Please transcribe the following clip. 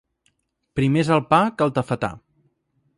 Primer és el pa que el tafetà.